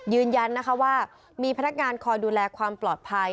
ยืนยันนะคะว่ามีพนักงานคอยดูแลความปลอดภัย